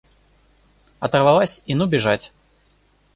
Оторвалась и ну бежать!